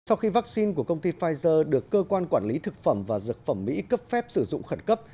sau khi vaccine của công ty pfizer được cơ quan quản lý thực phẩm và dược phẩm mỹ cấp phép sử dụng khẩn cấp